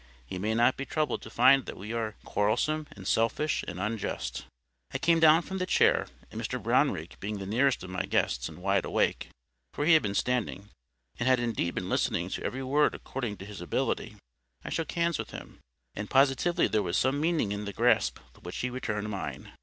—He may not be troubled to find that we are quarrelsome, and selfish, and unjust." I came down from the chair, and Mr Brownrigg being the nearest of my guests, and wide awake, for he had been standing, and had indeed been listening to every word according to his ability, I shook hands with him. And positively there was some meaning in the grasp with which he returned mine.